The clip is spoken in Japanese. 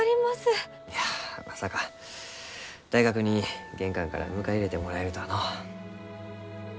いやまさか大学に玄関から迎え入れてもらえるとはのう。